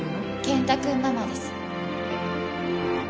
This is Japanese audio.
健太君ママです。